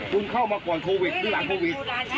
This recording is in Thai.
คุณเข้ามาก่อนโควิดหรือหลังโควิด